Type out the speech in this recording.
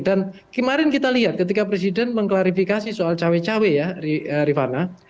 dan kemarin kita lihat ketika presiden mengklarifikasi soal cawe cawe ya rifana